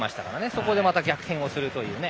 そこでまた逆転をするというね。